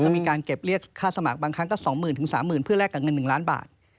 มีการเก็บเรียกค่าสมัครบางครั้งก็สองหมื่นถึงสามหมื่นเพื่อแลกกับเงินหนึ่งล้านบาท